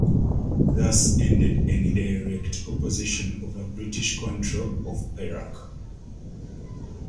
Thus ended any direct opposition over British control of Perak.